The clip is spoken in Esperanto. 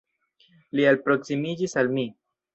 Li alproksimiĝis al mi.